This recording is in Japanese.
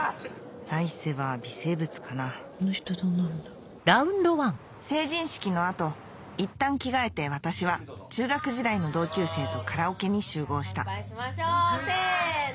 来世は微生物かな成人式の後いったん着替えて私は中学時代の同級生とカラオケに集合したせの！